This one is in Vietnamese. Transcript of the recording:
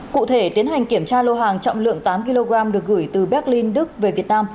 cụ thể tiến hành kiểm tra lô hàng trọng lượng tám kg được gửi từ berlin đức về việt nam